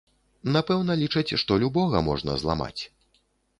Напэўна, лічаць, што любога можна зламаць.